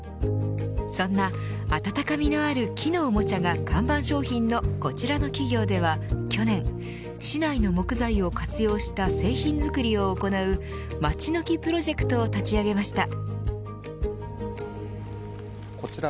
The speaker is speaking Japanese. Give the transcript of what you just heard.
そんな温かみのある木のおもちゃが看板商品のこちらの企業では去年、市内の木材を活用した製品作りを行うマチノキ・プロジェクトを立ち上げました。